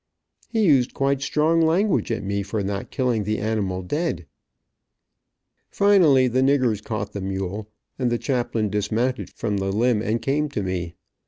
He used quite strong language at me for not killing the animal dead. Finally the niggers caught the mule and the chaplain dismounted from the limb, and came to me.